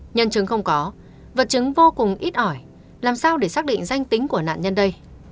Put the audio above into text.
nhân chứng không có vật chứng vô cùng ít ỏi làm sao để xác định danh tính của nạn nhân đây